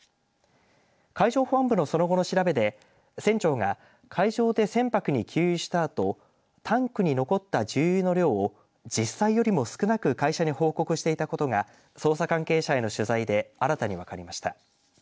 海上保安部のその後の調べで船長が海上で船舶に給油したあとタンクに残った重油の量を実際よりも少なく会社に報告していたことが捜査関係者への取材で新たに分かりました。